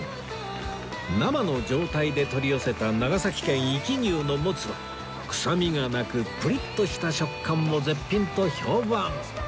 生の状態で取り寄せた長崎県壱岐牛のモツは臭みがなくプリッとした食感も絶品と評判